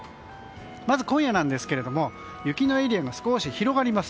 まず今夜なんですが雪のエリアが少し広がります。